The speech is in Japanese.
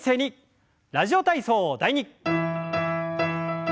「ラジオ体操第２」。